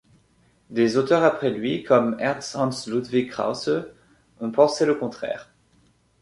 Des auteurs après lui, comme Ernst Hans Ludwig Krause, ont pensé le contraire.